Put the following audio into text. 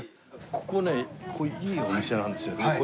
ここねいいお店なんですよ。